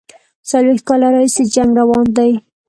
څلوېښت کاله راهیسي جنګ روان دی.